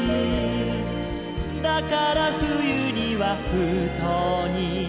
「だから冬には封筒に」